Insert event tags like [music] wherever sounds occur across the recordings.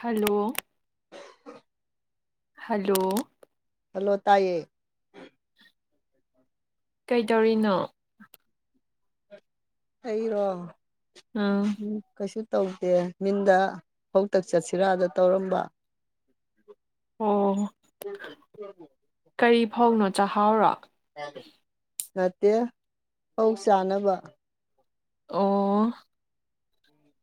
Hello. Hello. Hello ꯇꯥꯌꯦ꯫ ꯀꯩꯗꯧꯔꯤꯅꯣ꯫ ꯑꯩꯔꯣ ꯎꯝ ꯀꯩꯁꯨ ꯇꯧꯗꯦ ꯃꯤꯟꯗ ꯐꯧ ꯇꯛ ꯆꯠꯁꯤꯔꯥ ꯇꯧꯔꯝꯕ꯫ ꯑꯣ ꯀꯔꯤ ꯐꯧꯅꯣ ꯆꯥꯍꯥꯎꯔꯣ꯫ ꯅꯠꯇꯦ ꯐꯧ ꯆꯥꯅꯕ꯫ ꯑꯣ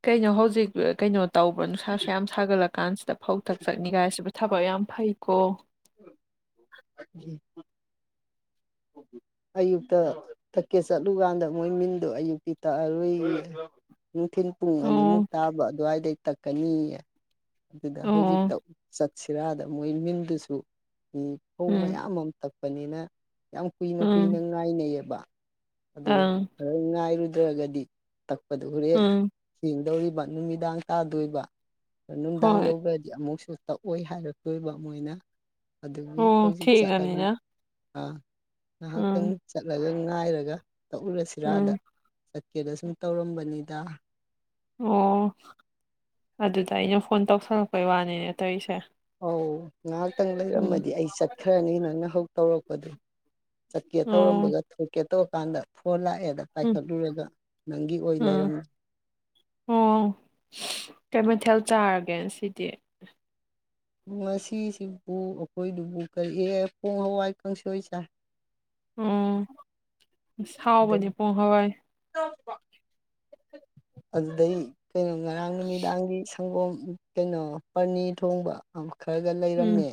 ꯀꯩꯅꯣ ꯍꯧꯖꯤꯛ ꯀꯩꯅꯣ ꯇꯧꯕ꯭ꯔꫭ ꯅꯨꯡꯁꯥꯁꯨ ꯌꯥꯝ ꯁꯥꯒꯠꯂ ꯀꯥꯟꯁꯤꯗ ꯐꯧ ꯇꯛ ꯆꯠꯅꯤꯡꯉꯥꯏꯁꯤꯕꯨ ꯊꯕꯛ ꯌꯥꯝ ꯐꯩꯀꯣ꯫ [unintelligible] ꯑꯌꯨꯛꯇ ꯇꯛꯀꯦ ꯆꯠꯂꯨꯀꯥꯟꯗ ꯃꯣꯏ ꯃꯤꯟꯗꯣ ꯑꯌꯨꯛꯀꯤ ꯇꯛꯑꯔꯣꯏꯌꯦ꯫ ꯅꯨꯡꯊꯤꯟ ꯄꯨꯡ ꯑꯅꯤꯃꯨꯛ ꯑꯣ ꯇꯥꯕ ꯑꯗꯨꯋꯥꯏꯗꯩ ꯇꯛꯀꯅꯤꯑꯦ꯫ ꯑꯗꯨꯗ ꯍꯧꯖꯤꯛ ꯑꯣ ꯇꯛꯄ ꯆꯠꯁꯤꯔꯥꯗ ꯃꯣꯏ ꯃꯤꯟꯗꯨꯁꯨ ꯑꯝ ꯐꯧ ꯎꯝ ꯃꯌꯥꯝ ꯑꯃ ꯇꯛꯄꯅꯤꯅ ꯌꯥꯝ ꯀꯨꯏꯅ ꯀꯨꯏꯅ ꯎꯝ ꯉꯥꯏꯅꯩꯌꯦꯕ ꯑꯗꯨ ꯑꯪ ꯈꯔ ꯉꯥꯏꯔꯨꯗ꯭ꯔꯒꯗꯤ ꯇꯛꯄꯗꯨ ꯍꯣꯔꯦꯟ ꯎꯝ ꯊꯦꯡꯗꯧꯔꯤꯕ ꯅꯨꯃꯤꯗꯥꯡ ꯇꯥꯗꯣꯏꯕ꯫ ꯅꯨꯡꯗꯥꯡ ꯍꯣꯏ ꯌꯧꯈ꯭ꯔꯗꯤ ꯑꯃꯨꯛꯁꯨ ꯇꯛꯑꯣꯏ ꯍꯥꯏꯔꯛꯇꯣꯏꯕ ꯃꯣꯏꯅ꯫ ꯑꯗꯨꯒꯤ ꯑꯣ ꯍꯧꯖꯤꯛ ꯆꯠꯂꯒ ꯊꯦꯡꯉꯅꯤꯅ ꯑꯥ ꯉꯥꯍꯥꯛꯇꯪ ꯎꯝ ꯆꯠꯂꯒ ꯉꯥꯏꯔꯒ ꯇꯛꯎꯔꯁꯤꯔꯥꯗ ꯎꯝ ꯀꯦꯅ ꯁꯨꯝ ꯇꯧꯔꯝꯕꯅꯤꯗ꯫ ꯑꯣ ꯑꯗꯨꯗ ꯑꯩꯅ ꯐꯣꯟ ꯇꯧꯁꯜꯂꯛꯄꯩ ꯋꯥꯅꯤꯅꯦ ꯇꯧꯔꯤꯁꯦ꯫ ꯑꯧ ꯉꯥꯏꯍꯥꯛꯇꯪ ꯎꯝ ꯂꯩꯔꯝꯃꯗꯤ ꯑꯩ ꯆꯠꯈ꯭ꯔꯅꯤ ꯅꯪꯅ ꯍꯧ ꯇꯧꯔꯛꯄꯗꯨ꯫ ꯆꯠꯀꯦ ꯑꯣ ꯇꯧꯔꯝꯕꯒ ꯊꯣꯛꯀꯦ ꯇꯧꯔ ꯀꯥꯟꯗ ꯐꯣꯟ ꯂꯥꯛꯑꯦꯗ꯫ ꯎꯝ ꯄꯥꯏꯈꯠꯂꯨꯔꯒ ꯅꯪꯒꯤ ꯑꯣꯏ ꯎꯝ ꯂꯩꯔꯝꯃꯤ꯫ ꯑꯣ ꯀꯩ ꯃꯊꯦꯜ ꯆꯥꯔꯒꯦ ꯉꯁꯤꯗꯤ꯫ ꯉꯁꯤꯁꯤꯕꯨ ꯑꯩꯈꯣꯏꯗꯨꯕꯨ ꯀꯔꯤ ꯑꫭ ꯄꯨꯡ ꯍꯋꯥꯏ ꯀꯥꯡꯁꯣꯏ ꯆꯥꯏ꯫ ꯎꯝ ꯑꯗꯩ ꯍꯥꯎꯕꯅꯤ ꯄꯣꯡ ꯍꯋꯥꯏ꯫ [inaudible] ꯑꯗꯨꯗꯩ ꯀꯩꯅꯣ ꯉꯔꯥꯡ ꯅꯨꯃꯤꯗꯥꯡꯒꯤ ꯁ ꯁꯪꯒꯣꯝ ꯀꯩꯅꯣ ꯄꯥꯅꯤꯔ ꯊꯣꯡꯕ ꯈꯔꯒ ꯎꯝ ꯂꯩꯔꯝꯃꯦ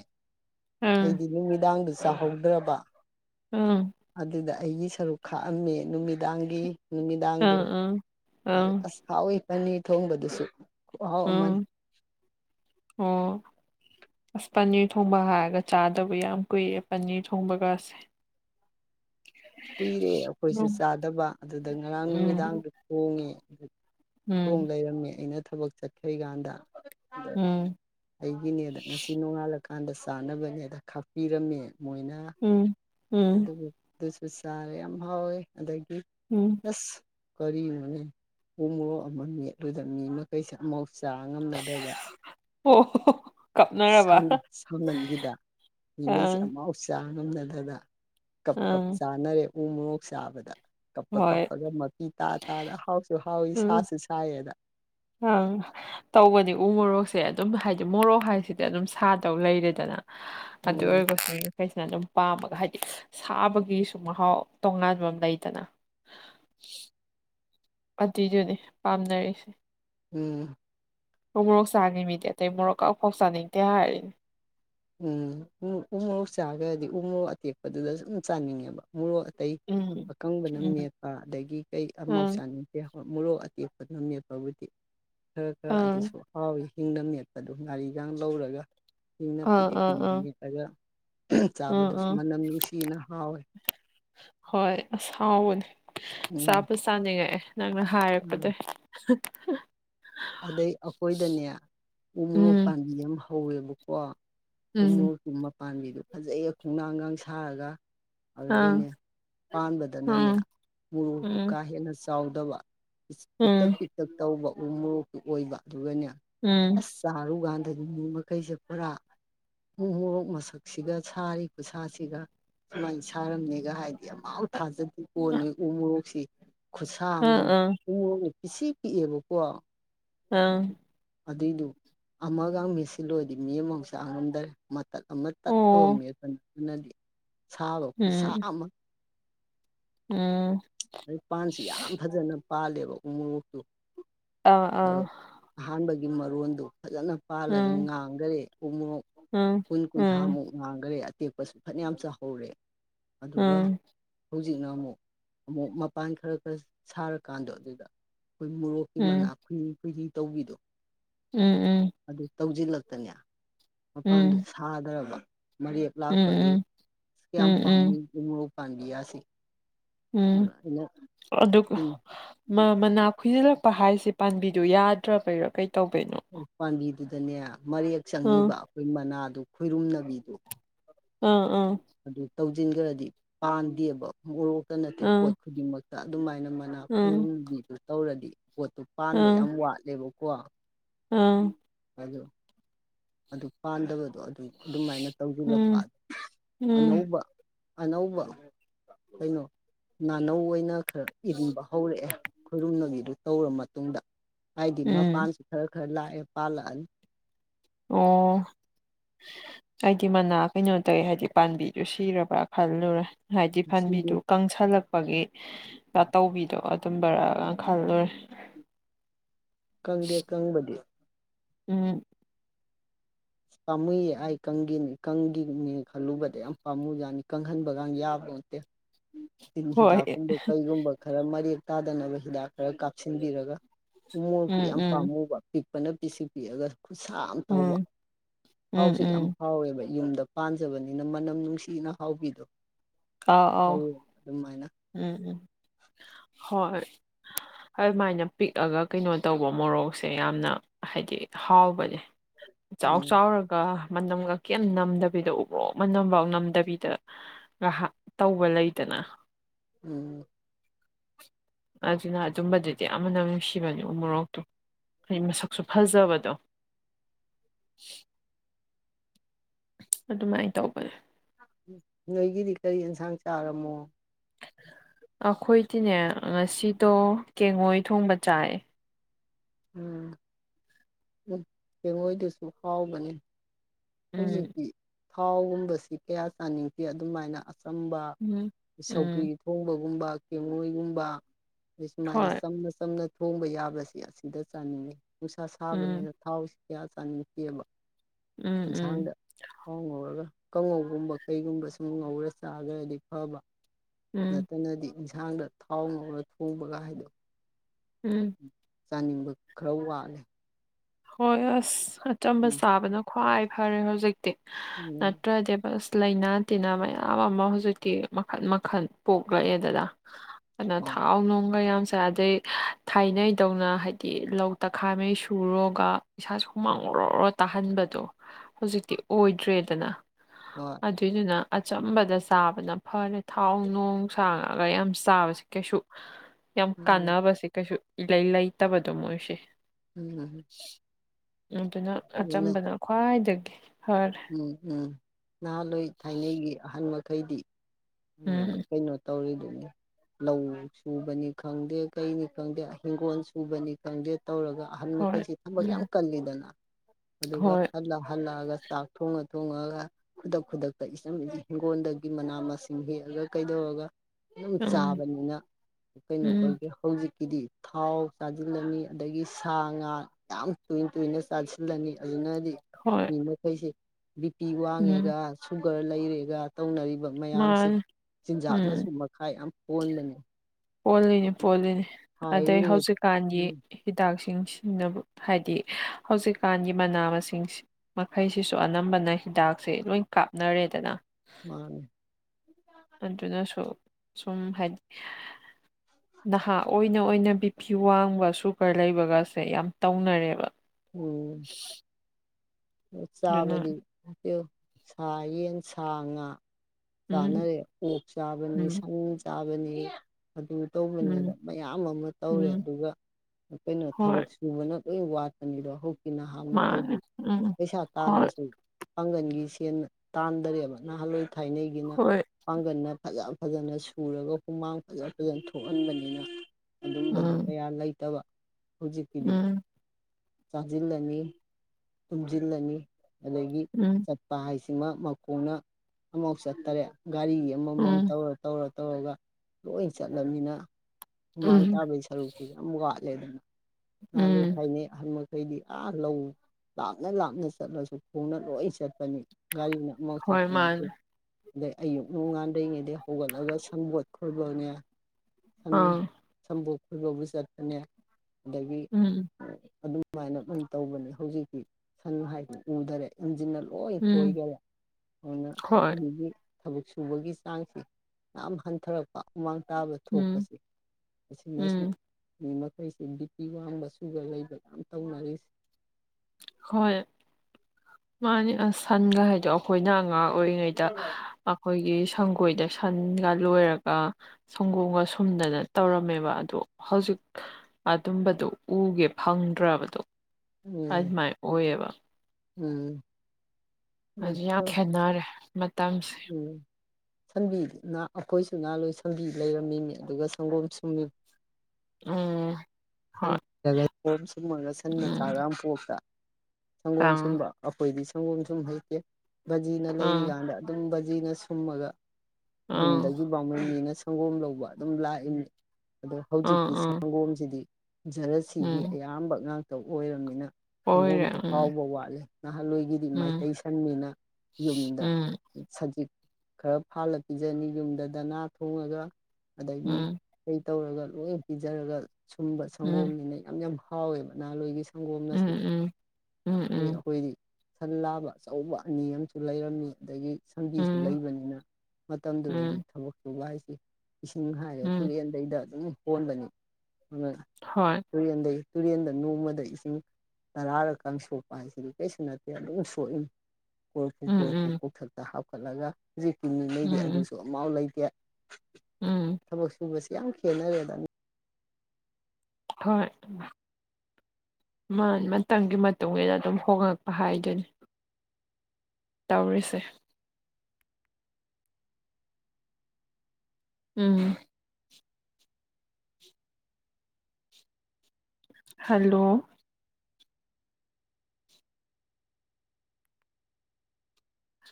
ꯑꯪ ꯑꯩꯗꯤ ꯅꯨꯃꯤꯗꯥꯡꯗꯨ ꯆꯥꯍꯧꯗ꯭ꯔꯕ꯫ ꯎꯝ ꯑꯗꯨꯗ ꯑꯩꯒꯤ ꯁꯔꯨꯛ ꯈꯥꯛꯑꯝꯃꯦ ꯅꯨꯃꯤꯗꯥꯡꯒꯤ ꯅꯨꯃꯤꯗꯥꯡꯗꯣ ꯑꯪ ꯑꯪ ꯑꯪ ꯑꯁ ꯍꯥꯎꯋꯤ ꯄꯥꯅꯤꯔ ꯊꯣꯡꯕꯗꯨꯁꯨ ꯈꯨꯍꯥꯎ ꯑꯃꯅꯤ ꯎꯝ ꯑꯣ ꯑꯁ ꯄꯥꯥꯅꯤꯔ ꯊꯣꯡꯕ ꯍꯥꯏꯔꯒ ꯆꯥꯗꯕ ꯌꯥꯝ ꯀꯨꯏꯔꯦ ꯄꯥꯅꯤꯔ ꯊꯣꯡꯕꯒꯥꯁꯦ ꯀꯨꯏꯔꯦ ꯑꯩꯈꯣꯏꯁꯨ ꯎꯝ ꯆꯥꯗꯕ ꯑꯗꯨꯗ ꯉꯔꯥꯡ ꯎꯝ ꯅꯨꯃꯤꯗꯥꯡꯗ ꯊꯣꯡꯉꯦ ꯑꯗꯨ ꯊꯣꯡ ꯎꯝ ꯂꯩꯔꯝꯃꯦ ꯑꯩꯅ ꯊꯕꯛ ꯆꯠꯈ꯭ꯔꯤ ꯀꯥꯟꯗ ꯎꯝ ꯑꯩꯒꯤꯅꯦꯅ ꯉꯁꯤ ꯅꯣꯡꯉꯥꯜꯂꯀꯥꯟꯗ ꯆꯥꯅꯕꯅꯦꯅ ꯈꯥꯛꯄꯤꯔꯝꯃꯦ ꯃꯣꯏꯅ ꯎꯝ ꯑꯗꯨꯕꯨ ꯑꯗꯨꯁꯨ ꯆꯥꯔꯦ ꯌꯥꯝ ꯍꯥꯎꯋꯦ ꯑꯗꯒꯤ ꯎꯝ ꯑꯁ ꯀꯔꯤꯅꯣꯅꯦ ꯎꯃꯣꯔꯣꯛ ꯑꯃ ꯃꯦꯠꯂꯨꯗꯅ ꯃꯤ ꯃꯈꯩꯁꯦ ꯆꯥ ꯉꯝꯅꯗꯗꯅ ꯑꯣ ꯀꯞꯅꯔꯕ ꯁꯥꯃꯟꯈꯤꯗ ꯃꯤꯃꯩꯁꯤ ꯑꯪ ꯑꯝꯐꯧ ꯆꯥ ꯉꯝꯅꯗꯗ ꯀꯞ ꯀꯞ ꯑꯪ ꯆꯥꯅꯔꯦ ꯎ ꯃꯣꯔꯣꯛ ꯆꯥꯕꯗ ꯀꯞꯄ ꯍꯣꯏ ꯀꯞꯄꯒ ꯃꯄꯤ ꯇꯥ ꯇꯥꯗ ꯍꯥꯎꯁꯨ ꯍꯥꯎꯏ ꯁꯥꯁꯨ ꯁꯥꯏꯌꯦꯗ ꯑꯥ ꯇꯧꯕꯅꯤ ꯎ ꯃꯣꯔꯣꯛꯁꯦ ꯑꯗꯨꯝ ꯍꯥꯏꯗꯤ ꯃꯣꯔꯣꯛ ꯍꯥꯏꯁꯤꯗꯤ ꯑꯗꯨꯝ ꯁꯥꯗꯧ ꯂꯩꯔꯦꯗꯅ ꯑꯗꯨ ꯎꯝ ꯑꯣꯏꯔꯒ ꯁꯨ ꯀꯩꯁꯤꯅ ꯑꯗꯨꯝ ꯄꯥꯝꯃꯒ ꯍꯥꯏꯗꯤ ꯁꯥꯕꯒꯤꯁꯨ ꯃꯍꯥꯎ ꯇꯣꯉꯥꯟꯕ ꯑꯃ ꯂꯩꯗꯅ ꯑꯗꯨꯏꯗꯨꯅꯦ ꯄꯥꯝꯅꯔꯤꯁꯦ ꯎꯝ ꯍꯣꯏ ꯃꯣꯔꯣꯛ ꯆꯥꯅꯤꯡꯤꯃꯤꯗꯤ ꯑꯇꯩ ꯃꯣꯔꯣꯛ ꯀꯐꯣꯛ ꯆꯥꯅꯤꯡꯗꯦ ꯍꯥꯏ ꯎꯝ ꯎ ꯎ ꯃꯣꯔꯣꯛ ꯆꯥꯈ꯭ꯔꯗꯤ ꯎ ꯃꯣꯛ ꯑꯇꯦꯛꯄꯗꯨꯗ ꯁꯨꯝ ꯆꯥꯅꯤꯡꯉꯦꯕ ꯃꯣꯔꯣꯛ ꯑꯇꯩ ꯎꯝ ꯑꯀꯪꯕꯅ ꯃꯦꯠ ꯑꯗꯒꯤ ꯎꯝ ꯑꯪ ꯀꯩꯧꯁꯥꯅꯤꯡꯁꯦ ꯃꯣꯔꯣꯛ ꯑꯇꯦꯛꯄꯅꯝ ꯃꯦꯞꯄꯕꯨꯗꯤ ꯈꯔ ꯈꯔ ꯑꯪ ꯑꯗꯨꯁꯨ ꯍꯥꯎꯋꯤ ꯍꯤꯡꯅ ꯃꯦꯠꯄꯗꯨ ꯉꯥꯔꯤꯒꯥꯡ ꯂꯧꯔꯒ ꯑꯥ ꯄꯤꯗꯤꯛ ꯑꯥ ꯄꯤꯗꯤ ꯑꯥ ꯅꯦꯦꯛꯄꯒ ꯑꯥ ꯆꯥꯕꯗꯨꯁꯨ ꯑꯥ ꯃꯅꯝ ꯅꯨꯡꯁꯤꯅ ꯍꯥꯎꯋꯤ ꯍꯣꯏ ꯑꯁ ꯍꯥꯎꯕꯅꯦ ꯎꯝ ꯆꯥꯕꯨ ꯆꯥꯅꯤꯡꯉꯛꯑꯦ ꯅꯪꯅ ꯎꯝ ꯍꯥꯏꯔꯛꯄꯗꯩ [unintelligible] ꯑꯗꯩ ꯑꯩꯈꯣꯏꯗꯅꯦ ꯎ ꯃꯣꯔꯣꯛ ꯎꯝ ꯄꯥꯝꯕꯤ ꯑꯃ ꯍꯧꯋꯦꯕꯀꯣ ꯎꯝ ꯍꯣꯡꯣꯛꯀꯤ ꯃꯄꯥꯥꯟꯕꯤꯗꯨ ꯐꯖꯩ ꯈꯣꯡꯅꯥꯡꯒ ꯁꯥꯔꯒ ꯑ ꯑꯗꯨꯒꯅꯦ ꯄꯥꯟꯕꯗꯅꯅꯦ ꯎꯝ ꯃꯣꯔꯣꯛꯇꯨ ꯀꯥ ꯎꯝ ꯍꯦꯟꯅ ꯆꯥꯎꯗꯕ ꯄꯤꯛꯇꯛ ꯎꯝ ꯄꯤꯛꯇꯛ ꯇꯧꯕ ꯎ ꯃꯣꯔꯣꯛꯇꯨ ꯑꯣꯏꯕ ꯑꯗꯨꯒꯅꯦ ꯎꯝ ꯑꯁ ꯆꯥꯔꯨꯀꯥꯟꯗꯗꯤ ꯃꯈꯩꯁꯦ ꯄꯨꯔꯥ ꯃꯣꯔꯣꯛ ꯃꯁꯛꯁꯤꯒ ꯁꯥꯔꯤ ꯈꯨꯠꯁꯥꯁꯤꯒ ꯁꯨꯃꯥꯏꯅ ꯁꯥꯔꯝꯅꯤꯒ ꯍꯥꯏꯗꯤ ꯑꯃ ꯊꯥꯖꯗꯤ ꯀꯣꯟꯅꯤ ꯎ ꯃꯣꯔꯣꯛꯁꯤ ꯈꯨꯠꯁꯥ ꯑ ꯑꯃꯅꯤ ꯑ ꯎꯃꯣꯔꯣꯛꯅꯦ ꯄꯤꯁꯤꯛ ꯄꯤꯛꯑꯦꯕꯀꯣ ꯑꯥ ꯑꯗꯨꯏꯗꯨ ꯑꯃꯒ ꯃꯦꯠꯁꯤꯜꯂꯣꯏꯔꯗꯤ ꯃꯤ ꯑꯃꯃꯧ ꯆꯥ ꯉꯝꯗꯔꯦ ꯃꯇꯛ ꯑꯃ ꯇꯠ ꯇꯧꯑ ꯑꯣ ꯃꯦꯠꯄ ꯑꯗꯨꯅꯗꯤ ꯁꯥꯕ ꯈꯨꯠꯁꯥ ꯑꯃ ꯑꯣ ꯑꯗꯩ ꯄꯥꯟꯁꯤ ꯌꯥꯝ ꯐꯖꯅ ꯄꯥꯜꯂꯦꯕ ꯎ ꯃꯣꯔꯣꯛꯇꯨ ꯑꯥ ꯑꯥ ꯑꯗꯣ ꯑꯍꯥꯟꯕꯒꯤ ꯃꯔꯣꯟꯗꯨ ꯐꯖꯅ ꯄꯥꯜꯂꯒ ꯎꯝ ꯉꯥꯡꯈꯔꯦ ꯎ ꯃꯣꯔꯣꯛ ꯎꯝ ꯀꯨꯟ ꯎꯝ ꯀꯨꯟꯊ꯭ꯔꯥꯃꯨꯛ ꯉꯥꯡꯒꯔꯦ ꯑꯇꯦꯛꯄꯁꯨ ꯐꯅꯌꯥꯝ ꯆꯥꯍꯧꯔꯦ ꯑꯗꯨꯒ ꯎꯝ ꯍꯧꯖꯤꯛꯅ ꯑꯃꯨꯛ ꯑꯃꯨꯛ ꯃꯄꯥꯟ ꯈꯔ ꯈꯔ ꯁꯥꯔꯀꯥꯟꯗꯣ ꯑꯗꯨꯗ ꯑꯩꯈꯣꯏ ꯃꯣꯔꯣꯛꯀꯤ ꯎꯝ ꯃꯅꯥꯛ ꯈꯨꯟ ꯍꯨꯏꯗꯤꯡ ꯇꯧꯕꯤꯗꯣ ꯎꯝ ꯎꯝ ꯑꯗꯨ ꯇꯧꯁꯤꯜꯂꯛꯇꯅꯦ ꯃꯄꯥꯟꯗꯨ ꯁꯥꯗ꯭ꯔꯕ ꯃꯔꯦꯞ ꯂꯥꯛꯄꯒꯤ ꯎꯝ ꯀꯌꯥꯝ ꯎꯝ ꯎꯝ ꯄꯥꯝꯃ ꯎꯝ ꯃꯣꯔꯣꯛ ꯄꯥꯟꯕꯤ ꯌꯥꯁꯤ ꯎꯝ ꯑꯗꯨꯒ ꯇꯤꯡ ꯃꯅꯥꯛꯈꯁꯤꯗ ꯄ ꯍꯥꯏꯁꯤ ꯄꯥꯝꯕꯤꯗꯨꯣ ꯌꯥꯗ꯭ꯔꯥ ꯕꯩꯔꯣ ꯀꯩ ꯇꯧꯕꯅꯣ ꯎ ꯄꯥꯝꯕꯤꯗꯨꯗꯅꯦ ꯃꯔꯦꯛ ꯑꯥ ꯆꯪꯉꯤꯕ ꯑꯩꯈꯣꯏ ꯃꯅꯥꯗꯨ ꯈꯔꯨꯝꯅꯕꯤꯗꯨꯣ ꯑꯥ ꯑꯥ ꯑꯗꯨ ꯇꯧꯁꯤꯟꯈ꯭ꯔꯗꯤ ꯄꯥꯟꯗꯦꯕ ꯃꯣꯔꯣꯛꯇ ꯅꯠꯇꯦ ꯄꯣꯠ ꯈꯨꯗꯤꯡꯃꯛꯇ ꯑꯗꯨꯃꯥꯏꯅ ꯑꯗꯨꯅ ꯑꯥ ꯈꯨꯔꯨꯝꯕꯤꯗꯨ ꯇꯧꯔꯗꯤ ꯄꯣꯠꯇꯨ ꯑꯥ ꯄꯥꯟꯕ ꯑꯥ ꯌꯥꯝ ꯋꯥꯠꯂꯦꯕꯀꯣ ꯑꯥ ꯑꯗꯨ ꯑꯗꯨ ꯄꯥꯟꯗꯕꯗꯣ ꯑꯗꯨ ꯑꯗꯨꯃꯥꯏꯅ ꯇꯧꯁꯤꯜꯂꯛꯄ ꯎꯝ ꯎꯝ ꯑꯅꯧꯕ ꯑꯅꯧꯕ ꯀꯩꯅꯣ ꯅꯥꯅꯧ ꯑꯣꯏꯅ ꯈꯔ ꯏꯟꯕ ꯍꯧꯔꯛꯑꯦ ꯈꯨꯔꯨꯝꯅꯕꯤꯗꯨ ꯇꯧꯔ ꯃꯇꯨꯡꯗ ꯍꯥꯏꯗꯤ ꯎꯝ ꯃꯄꯥꯟꯁꯤ ꯈꯔ ꯈꯔ ꯂꯥꯛꯑꯦ ꯄꯥꯜꯂꯛꯑꯅꯤ ꯑꯣ ꯑꯩꯗꯤ ꯃꯅꯥ ꯀꯩꯅꯣ ꯇꯧꯋꯦ ꯍꯥꯏꯗꯤ ꯄꯥꯝꯕꯤꯗꯨ ꯁꯤꯔꯕ꯭ꯔꯥ ꯈꯜꯂꯨꯔꯦ ꯍꯥꯏꯗꯤ ꯉꯁꯤꯗꯤ ꯐꯝꯕꯤꯗꯨ ꯀꯪꯁꯜꯂꯛꯄ ꯒꯤ ꯇꯧꯕꯤꯗꯣ ꯑꯗꯨꯝꯕꯔꯒ ꯈꯜꯂꯨꯔꯦ ꯀꯪꯗꯦ ꯀꯪꯕꯗꯤ ꯎꯝ ꯄꯥꯝꯃꯨꯏꯌꯦ ꯑꯩ ꯀꯪꯈꯤꯅꯤ ꯀꯪꯒꯤꯅꯤ ꯈꯜꯂꯨꯕꯗ ꯌꯥꯝ ꯄꯥꯝꯃꯨ ꯌꯥꯅꯤ ꯀꯪꯍꯟꯕꯒ ꯌꯥꯕ ꯇꯦ ꯇꯤꯟ ꯍꯣꯏ ꯍꯤꯗꯥꯛꯀꯨꯝꯕ ꯀꯩꯒꯨꯝꯕ ꯈꯔ ꯃꯔꯦꯛ ꯇꯥꯗꯅꯕ ꯍꯤꯗꯥꯛ ꯈꯔ ꯀꯥꯞꯁꯤꯟꯕꯤꯔꯒ ꯎꯝ ꯃꯣꯔꯣꯇꯨ ꯌꯥꯝ ꯄꯥꯝꯃꯨꯕ ꯄꯤꯛ ꯄꯅ ꯄꯤꯁꯤꯛ ꯄꯤꯛꯑꯒ ꯈꯨꯠꯁꯥ ꯑꯃ ꯇꯧꯕ꯫ ꯎꯝ ꯎꯝ ꯍꯥꯎꯁꯨ ꯎꯝ ꯌꯥꯝ ꯍꯥꯎꯋꯦꯕ ꯌꯨꯝꯗ ꯄꯥꯟꯖꯕꯅꯤꯅ ꯃꯅꯝ ꯅꯨꯡꯁꯤꯅ ꯍꯥꯎꯕꯤꯗꯣ꯫ ꯑꯥꯎ ꯑꯥꯎ ꯑꯗꯨꯝꯃꯥꯏꯅ ꯎꯝ ꯎꯝ ꯍꯣꯏ ꯑꯗꯨꯃꯥꯏꯅ ꯄꯤꯛꯑꯒ ꯀꯩꯅꯣ ꯇꯧꯕ ꯃꯣꯔꯣꯛꯁꯦ ꯌꯥꯝꯅ ꯍꯥꯏꯗꯤ ꯍꯥꯎꯕꯅꯦ꯫ ꯆꯥꯎ ꯎꯝ ꯆꯥꯎꯔꯒ ꯃꯅꯝꯒ ꯀꯩꯝ ꯅꯝꯗꯕꯤꯗ ꯎꯃꯣꯔꯣꯛ ꯃꯅꯝꯕꯥꯎ ꯅꯝꯗꯕꯤꯗ ꯉꯍꯥꯛ ꯇꯧꯕ ꯂꯩꯗꯅ ꯎꯝ ꯑꯗꯨꯅ ꯑꯗꯨꯝꯕꯗꯨꯗꯤ ꯌꯥꯝ ꯃꯅꯝ ꯅꯨꯡꯁꯤꯕꯅꯤ ꯎꯃꯣꯔꯣꯛ ꯇꯨ ꯃꯁꯛꯁꯨ ꯐꯖꯕꯗꯣ ꯑꯗꯨꯃꯥꯏ ꯇꯧꯕꯅꯦ ꯎꯝ ꯅꯣꯏꯒꯤꯗꯤ ꯀꯔꯤ ꯏꯟꯁꯥꯡ ꯆꯥꯔꯝꯃꯣ ꯑꯈꯣꯏꯗꯤꯅꯦ ꯉꯁꯤꯗꯣ ꯀꯦꯡꯉꯣꯏ ꯊꯣꯡꯕ ꯆꯥꯏꯑ ꯎꯝ ꯎ ꯀꯦꯡꯉꯣꯏꯗꯨꯁꯨ ꯍꯥꯎꯕꯅꯤ ꯎꯝ ꯍꯧꯖꯤꯛꯇꯤ ꯊꯥꯎꯒꯨꯝꯕꯁꯤ ꯀꯌꯥ ꯆꯥꯅꯤꯡꯗꯦ ꯑꯗꯨꯃꯥꯏꯅ ꯑꯆꯝꯕ ꯎꯝ ꯎꯝ ꯁꯧꯒꯔꯤ ꯊꯣꯡꯕꯒꯨꯝꯕ ꯀꯦꯉꯣꯏꯒꯨꯝꯕ ꯗꯤꯁꯨꯃꯥꯏꯅ ꯍꯣꯏ ꯆꯝꯅ ꯆꯝꯅ ꯊꯣꯡꯕ ꯌꯥꯕꯁꯤ ꯑꯁꯤꯗ ꯆꯥꯅꯤꯡꯉꯤ ꯅꯨꯡꯁꯥ ꯎꯝ ꯁꯥꯕꯅꯤꯅ ꯊꯥꯎꯁꯤ ꯀꯌꯥ ꯆꯥꯅꯤꯡꯗꯦꯕ ꯎꯝ ꯎꯝ ꯏꯟꯁꯥꯡꯗ ꯊꯥꯎ ꯉꯧꯔꯒ ꯀꯥꯡꯉꯧꯒꯨꯝꯕ ꯀꯩꯒꯨꯝꯕ ꯁꯨꯝ ꯉꯧꯔ ꯆꯥꯒꯔꯗꯤ ꯐꯕ ꯎꯝ ꯅꯠꯇꯅꯗꯤ ꯏꯟꯁꯥꯡꯗ ꯊꯥꯎ ꯉꯧꯔ ꯊꯣꯡꯕꯒ ꯍꯥꯏꯗꯣ ꯎꯝ ꯆꯥꯅꯤꯡꯕ ꯈꯔ ꯋꯥꯠꯂꯦ ꯍꯣꯏ ꯑꯁ ꯑꯆꯝꯕ ꯎꯝ ꯆꯥꯕꯅ ꯈ꯭ꯋꯥꯏ ꯐꯔꯦ ꯍꯧꯖꯤꯛꯇꯤ ꯎꯝ ꯅꯠꯇ꯭ꯔꯗꯤ ꯕꯁ ꯂꯩꯥꯅꯥ ꯇꯤꯟꯅꯥ ꯃꯌꯥꯝ ꯑꯃ ꯍꯧꯖꯤꯛꯇꯤ ꯃꯈꯜ ꯃꯈꯜ ꯄꯣꯛꯂꯛꯑꯦꯗꯅ ꯑꯅ ꯍꯣꯏ ꯊꯥꯎ ꯅꯨꯡꯒ ꯌꯥꯝ ꯆꯥꯗꯩ ꯑꯩ ꯊꯥꯏꯅꯩꯗꯧꯅ ꯍꯥꯏꯗꯤ ꯂꯧ ꯇꯛꯈꯥꯏꯉꯩ ꯁꯨꯔꯣ ꯒ ꯏꯁꯥꯥꯁꯦ ꯍꯨꯃꯥꯡ ꯑꯣꯔꯣꯔꯣ ꯇꯥꯍꯟꯕꯗꯣ ꯍꯧꯖꯤꯛꯇꯤ ꯑꯣꯏꯗ꯭ꯔꯦꯗꯅ ꯋꯥ ꯑꯗꯨꯏꯗꯨꯅ ꯑꯆꯝꯕꯗ ꯆꯥꯕꯅ ꯐꯔꯦ ꯊꯥꯎ ꯅꯨꯡ ꯁꯥ ꯉꯥꯒ ꯌꯥꯝ ꯆꯥꯕꯁꯤ ꯀꯩꯁꯨ ꯌꯥꯝ ꯎꯝ ꯀꯥꯟꯅꯕꯁꯦ ꯀꯩꯁꯨ ꯏꯂꯩ ꯂꯩꯇꯕꯗꯣ ꯃꯣꯏꯁꯦ꯫ ꯎꯝꯍꯨꯝ ꯑꯗꯨꯅ ꯑꯆꯝꯕꯅ ꯈ꯭ꯋꯥꯏꯗꯒꯤ ꯐꯔꯦ꯫ ꯎꯝ ꯎꯝ ꯅꯍꯥꯟꯋꯥꯏ ꯊꯥꯏꯅꯩꯒꯤ ꯑꯍꯟ ꯃꯈꯩꯗꯤ ꯎꯝ ꯀꯩꯅꯣ ꯇꯧꯔꯤꯗꯨꯅꯤ ꯂꯧ ꯁꯨꯕꯅꯤ ꯈꯪꯗꯦ ꯀꯩꯅꯤ ꯈꯪꯗꯦ ꯍꯤꯡꯒꯣꯜ ꯁꯨꯕꯅꯤ ꯈꯪꯗꯦ ꯇꯧꯔꯒ ꯑꯍꯟ ꯍꯣꯏ ꯃꯈꯩꯁꯤ ꯊꯕꯛ ꯌꯥꯝ ꯎꯝ ꯀꯜꯂꯤꯗꯅ ꯑꯗꯨꯒ ꯍꯣꯏ ꯍꯜꯂꯛ ꯍꯜꯂꯛꯑꯒ ꯆꯥꯛ ꯊꯣꯡꯉ ꯊꯣꯡꯉꯒ ꯈꯨꯗꯛ ꯈꯨꯗꯛꯇ ꯏꯆꯝ ꯍꯤꯡꯒꯣꯜꯗꯒꯤ ꯃꯅꯥ ꯃꯁꯤꯡ ꯍꯦꯛꯑꯒ ꯀꯩꯗꯧꯔꯒ ꯑꯗꯨꯝ ꯎꯝ ꯆꯥꯕꯅꯤꯅ ꯀꯩꯅꯣ ꯎꯝ ꯇꯧꯒꯦ ꯍꯧꯖꯤꯛꯀꯤꯗꯤ꯫ ꯊꯥꯎ ꯆꯥꯖꯤꯜꯂꯅꯤ ꯑꯗꯒꯤ ꯁꯥ ꯉꯥ ꯌꯥꯝ ꯇꯣꯏ ꯇꯣꯏꯅ ꯆꯥꯁꯤꯜꯂꯅꯤ ꯑꯗꯨꯅꯗꯤ ꯍꯣꯏ ꯃꯤ ꯃꯈꯩꯁꯦ ꯕꯤ ꯄꯤ ꯎꯝ ꯋꯥꯡꯉꯦꯒ ꯁꯨꯒꯔ ꯂꯩꯔꯦꯒ ꯇꯧꯅꯔꯤꯕ ꯃꯌꯥꯝꯁꯦ ꯃꯥꯅꯤ ꯎꯝ ꯆꯤꯟꯖꯥꯛꯅꯁꯨ ꯃꯈꯥꯏ ꯌꯥꯝ ꯄꯣꯟꯕꯅꯦ꯫ ꯄꯣꯜꯂꯤꯅꯤ ꯄꯣꯜꯂꯤꯅꯤ ꯑꯗꯩ ꯍꯥꯏꯔꯤꯅꯤ ꯍꯧꯖꯤꯛꯀꯥꯟꯒꯤ ꯎꯝ ꯍꯤꯗꯥꯛꯁꯤꯡ ꯁꯤꯟꯅꯕ ꯍꯥꯏꯗꯤ ꯍꯧꯖꯤꯛꯀꯥꯟꯒꯤ ꯃꯅꯥ ꯃꯁꯤꯡ ꯃꯈꯩꯁꯤꯁꯨ ꯑꯅꯝꯕꯅ ꯍꯤꯗꯥꯛꯁꯦ ꯂꯣꯏ ꯀꯥꯞꯅꯔꯦꯗꯅ꯫ ꯃꯥꯅ‌ꯦ ꯑꯗꯨꯅꯁꯨ ꯁꯨꯝ ꯍꯥꯏꯗꯤ ꯅꯍꯥ ꯑꯣꯏꯅ ꯑꯣꯏꯅ ꯕꯤꯄꯤ ꯋꯥꯡꯕ ꯁꯨꯒꯔ ꯂꯩꯕꯒꯁꯦ ꯌꯥꯝ ꯇꯧꯅꯔꯦꯕ ꯑꯣ [inaudible] ꯑꯗꯨꯅ ꯆꯥꯕꯗꯤꯌꯨ ꯁꯥ ꯌꯦꯟ ꯁꯥ ꯉꯥ ꯎꯝ ꯆꯥꯅꯔꯦ ꯑꯣꯛ ꯆꯥꯕꯅꯤ ꯎꯝ ꯁꯟ ꯆꯥꯕꯅꯤ ꯑꯗꯨ ꯇꯧꯕꯅꯤꯗ ꯎꯝ ꯃꯌꯥꯝ ꯑꯃ ꯇꯧꯔꯦ ꯎꯝ ꯑꯗꯨꯒ ꯀꯩꯅꯣ ꯍꯣꯏ ꯊꯕꯛ ꯆꯨꯕꯅ ꯂꯣꯏ ꯋꯥꯠꯄꯅꯤꯗꯣ ꯍꯨꯛꯀꯤ ꯅꯍꯥꯟ ꯃꯥꯅꯦ ꯃꯈꯩꯗꯤ ꯎꯝ ꯄꯩꯁꯥ ꯍꯣꯏ ꯇꯥꯜꯂꯁꯨ ꯄꯥꯡꯒꯟꯒꯤ ꯁꯦꯟ ꯇꯥꯟꯗꯔꯦꯕ ꯅꯍꯥꯟꯋꯥꯏ ꯊꯥꯏꯅꯩꯒꯤꯅ ꯍꯣꯏ ꯄꯥꯡꯒꯟꯅ ꯐꯖ ꯐꯖꯅ ꯁꯨꯔꯒ ꯍꯨꯃꯥꯡ ꯐꯖ ꯐꯖꯅ ꯊꯣꯛꯍꯟꯕꯅꯤꯅ ꯑꯗꯨꯝꯕꯗ‌ꯣ ꯎꯝ ꯀꯌꯥ ꯂꯩꯇꯕ ꯍꯧꯖꯤꯛꯀꯤꯗꯤ ꯎꯝ ꯆꯥꯖꯤꯜꯂꯅꯤ ꯇꯨꯝꯖꯤꯜꯂꯅꯤ ꯑꯗꯒꯤ ꯎꯝ ꯆꯠꯄ ꯍꯥꯏꯁꯤꯃ ꯃꯈꯣꯡꯅ ꯑꯃꯐꯥꯎ ꯆꯠꯇꯔꯦ ꯒꯥꯔꯤ ꯑꯃꯃꯝ ꯎꯝ ꯇꯧꯔ ꯇꯧꯔ ꯇꯧꯔꯒ ꯂꯣꯏ ꯆꯠꯂꯝꯅꯤꯅ ꯍꯨꯃꯥꯡ ꯎꯝ ꯇꯥꯕꯩ ꯁꯔꯨꯛ ꯌꯥꯝ ꯋꯥꯠꯂꯦꯗꯅ ꯅꯍꯥꯥꯟ ꯂꯣꯏ ꯎꯝ ꯊꯥꯏꯅꯩ ꯑꯍꯟ ꯃꯈꯩꯗꯤ ꯑꯥ ꯂꯧ ꯂꯥꯞꯅ ꯂꯥꯞꯅ ꯆꯠꯂꯁꯨ ꯈ‌ꯣꯡꯅ ꯂꯣꯏ ꯆꯠꯄꯅꯤ ꯒꯥꯔꯤꯅ ꯑꯃ ꯍꯣꯏ ꯆꯠꯄ ꯅꯠꯇꯦ ꯃꯥꯅꯦ ꯑꯗꯩ ꯑꯌꯨꯛ ꯅꯨꯡꯉꯥꯟꯗ꯭ꯔꯤꯉꯩꯗꯒꯤ ꯍꯧꯒꯠꯂꯒ ꯁꯪꯕꯣꯠ ꯈꯣꯏꯕꯅꯦ ꯁꯟ ꯑꯥ ꯁꯝꯕꯣꯛ ꯈꯣꯏꯕꯕꯨ ꯆꯠꯄꯅꯦ ꯑꯗꯒꯤ ꯎꯝ ꯑꯗꯨꯃꯥꯏꯅ ꯂꯣꯏ ꯇꯧꯕꯅꯦ ꯍꯧꯖꯤꯛꯇꯤ ꯁꯟ ꯍꯥꯏꯗꯤ ꯎꯗꯔꯦ ꯍꯟꯖꯤꯟꯅ ꯂꯣꯏ ꯎꯝ ꯈꯣꯏꯈꯔꯕ ꯑꯗꯨꯅ ꯍꯣꯏ ꯍꯧꯖꯤꯛꯒꯤ ꯊꯕꯛ ꯁꯨꯕꯒꯤ ꯆꯥꯡꯁꯤ ꯌꯥꯝ ꯍꯟꯊꯔꯛꯄ ꯃꯃꯥꯡ ꯇꯥꯕ ꯎꯝ ꯊꯣꯛꯄꯁꯤ ꯑꯁꯤꯅ ꯃꯁꯨꯨꯝ ꯎꯝ ꯃꯤ ꯃꯈꯩꯁꯦ ꯕꯤ ꯄꯤ ꯋꯥꯡꯕ ꯁꯨꯒꯔ ꯂꯩꯕ ꯌꯥꯝ ꯇꯧꯅꯔꯤꯁꯦ ꯍꯣꯏ ꯃꯥꯅꯤ ꯑ ꯁꯟꯒ ꯍꯥꯏꯗꯣ ꯑꯩꯈꯣꯏꯅ ꯑꯉꯥꯡ ꯑꯣꯏꯔꯤꯉꯩꯗ ꯑꯩꯈꯣꯏꯒꯤ ꯁꯪꯒꯣꯏꯗ ꯁꯟꯒ ꯂꯣꯏꯔꯒ ꯁꯪꯒꯣꯝꯒ ꯁꯨꯝꯗꯅ ꯇꯧꯔꯝꯃꯦꯕ ꯑꯗꯣ ꯍꯧꯖꯤꯛ ꯑꯗꯨꯝꯕꯗꯣ ꯎꯒꯦ ꯐꯪꯗ꯭ꯔꯕꯗꯣ ꯎꯝ ꯑꯗꯨꯃꯥꯏꯅ ꯑꯣꯏꯌꯦꯕ ꯎꯝ ꯎꯝ ꯍꯧꯖꯤꯛ ꯌꯥꯝ ꯈꯦꯠꯅꯔꯦ ꯃꯇꯝꯁꯦ ꯎꯝ ꯁꯝꯕꯤ ꯑꯩꯈꯣꯏꯁꯨ ꯅꯍꯥꯜꯂꯣꯏ ꯁꯝꯕꯤ ꯂꯩꯔꯝꯃꯤꯅꯤ ꯑꯗꯨꯒ ꯁꯪꯒꯣꯝ ꯁꯨꯝꯃꯤ ꯎꯝ ꯍꯣꯏ ꯁꯟ ꯁꯣꯝ ꯁꯨꯝꯃꯒ ꯁꯟ ꯎꯝ ꯃꯆꯥꯒ ꯌꯥꯝ ꯄꯣꯛꯄ ꯁꯪꯒꯣꯝ ꯇꯥꯡ ꯁꯨꯝꯕ ꯑꯩꯈꯣꯏꯗꯤ ꯁꯪꯒꯣꯝ ꯁꯨꯝ ꯍꯩꯇꯦ ꯕꯖꯤꯅ ꯎꯝ ꯂꯩꯔꯤꯀꯥꯟꯗ ꯑꯗꯨꯝ ꯕꯖꯤꯅ ꯁꯨꯝꯃꯒ ꯎꯝ ꯌꯨꯝꯗꯒꯤ ꯕꯥꯃꯟꯅꯤꯅ ꯁꯪꯒꯣꯝ ꯂꯧꯕ ꯑꯗꯨꯝ ꯂꯥꯛꯏꯅꯤ ꯑꯗꯣ ꯎꯝ ꯍꯧꯖꯤꯛꯇꯤ ꯎꯝ ꯁꯪꯒꯣꯝꯁꯤꯗꯤ ꯖꯔꯁꯤꯒꯤ ꯎꯝ ꯑꯌꯥꯝꯕ ꯉꯥꯛꯇ ꯑꯣꯏꯔꯝꯅꯤꯅ ꯑꯣꯏꯔꯦ ꯁꯪꯒꯣꯝꯁꯨ ꯎꯝ ꯍꯥꯎꯕ ꯋꯥꯠꯂꯦ ꯅꯍꯥꯟꯋꯥꯏꯒꯤꯗꯤ ꯎꯝ ꯃꯩꯇꯩ ꯁꯟꯅꯤꯅ ꯌꯨꯝꯗ ꯎꯝ ꯁꯖꯤꯛ ꯈꯔ ꯐꯥꯜꯂ ꯄꯤꯖꯅꯤ ꯌꯨꯝꯗ ꯗꯅꯥ ꯊꯣꯡꯉꯒ ꯑꯗꯒꯤ ꯎꯝ ꯏꯁꯩ ꯇꯧꯔꯒ ꯂꯣꯏ ꯄꯤꯖꯔꯒ ꯁꯨꯝꯕ ꯎꯝ ꯁꯪꯒꯣꯝꯅꯤꯅ ꯌꯥꯝ ꯌꯥꯝ ꯍꯥꯎꯋꯦꯕ ꯅꯍꯥꯟꯋꯥꯏꯒꯤ ꯎꯝ ꯎꯝ ꯎꯝ ꯎꯝ ꯑꯗꯨ ꯑꯩꯈꯣꯏꯗꯤ ꯁꯟ ꯂꯥꯕ ꯑꯆꯧꯕ ꯑꯅꯤ ꯑꯃꯁꯨ ꯂꯩꯔꯝꯃꯤ ꯑꯗꯒꯤ ꯁꯪꯕꯤꯁꯨ ꯎꯝ ꯂꯩꯕꯅꯤꯅ ꯃꯇꯝꯗꯨꯗꯗꯤ ꯎꯝ ꯊꯕꯛ ꯁꯨꯧꯕ ꯍꯥꯏꯁꯤꯦ ꯏꯁꯤꯡ ꯍꯥꯏꯔꯒ ꯎꯝ ꯇꯨꯔꯦꯟ ꯁꯤꯗꯩꯗ ꯑꯗꯨꯝ ꯍꯣꯟꯕꯅꯤ ꯍꯣꯏ ꯇꯨꯔꯦꯟꯗ ꯇꯨꯔꯦꯟꯗ ꯅꯣꯡꯃꯗ ꯏꯁꯤꯡ ꯇꯔꯥꯔꯛ ꯀꯥꯡ ꯁꯣꯛꯄ ꯍꯥꯏꯁꯤꯗꯤ ꯀꯩꯁꯨ ꯅꯠꯇꯦ ꯑꯗꯨꯝ ꯁꯣꯛꯏꯅꯤ ꯎꯝ ꯀꯄꯨ ꯀꯄꯨ ꯎꯝ ꯀꯣꯛꯊ ꯍꯥꯞꯀꯠꯂꯒ ꯍꯧꯖꯤꯛꯇꯀꯤꯤ ꯎꯝ ꯃꯤꯉꯩꯗꯤ ꯑꯗꯨꯁꯨ ꯑꯥꯎ ꯂꯩꯇꯦ ꯎꯝ ꯎꯝ ꯊꯕꯛ ꯁꯨꯕꯁ ꯌꯥꯝ ꯈꯦꯠꯅꯔꯦꯗꯅꯤ ꯍꯣꯏ ꯃꯥ ꯃꯇꯝꯒꯤ ꯃꯇꯨꯡ ꯏꯟꯅ ꯑꯗꯨꯝ ꯍꯣꯉꯛꯄ ꯍꯥꯏꯗꯨꯅꯤ ꯇꯧꯔꯤꯁꯦ ꯎꯝ ꯍꯂꯣ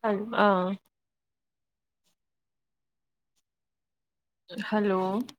ꯍꯜ ꯑꯥ ꯍꯜꯂꯣ